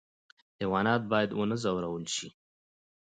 حیوانات باید ونه ځورول شي